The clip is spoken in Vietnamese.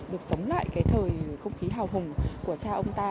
được sống lại cái thời không khí hào hùng của cha ông ta